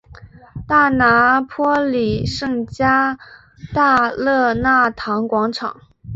大拿坡里圣加大肋纳堂广场。